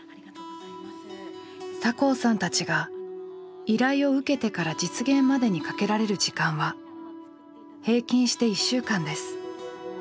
酒匂さんたちが依頼を受けてから実現までにかけられる時間は平均して１週間です。